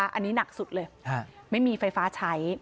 อันนี้หนักสุดเลยไม่มีไฟฟ้าใช้